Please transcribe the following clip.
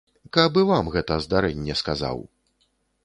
Каб і вам гэта здарэнне сказаў!